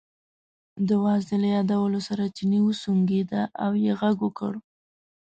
د وازدې له یادولو سره چیني وسونګېده او یې غږ وکړ.